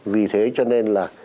vì thế cho nên là